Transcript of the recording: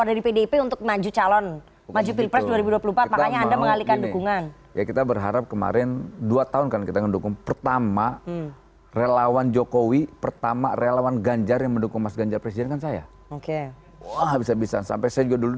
dan kawan kawan dukung